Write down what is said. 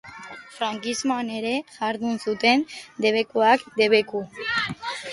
Frankismoan ere jardun zuten, debekuak debeku.